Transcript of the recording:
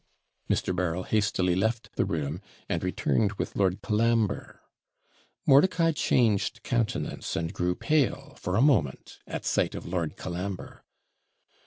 Mr. Berryl hastily left the room, and returned with Lord Colambre. Mordicai changed countenance and grew pale, for a moment, at sight of Lord Colambre.